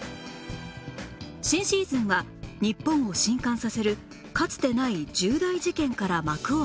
新シーズンは日本を震撼させるかつてない重大事件から幕を開ける